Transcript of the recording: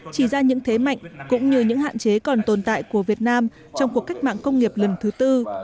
chỉ ra những thế mạnh cũng như những hạn chế còn tồn tại của việt nam trong cuộc cách mạng công nghiệp lần thứ tư